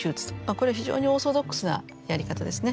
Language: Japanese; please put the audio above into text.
これは非常にオーソドックスなやり方ですね。